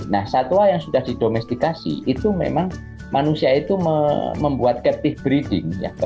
nah satwa yang sudah didomestikasi itu memang manusia itu membuat captive breeding